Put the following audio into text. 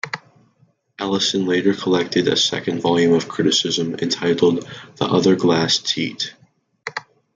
Ellison later collected a second volume of criticism entitled "The Other Glass Teat".